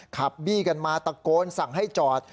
ขับบี้กันมาตะโกนสั่งให้จอด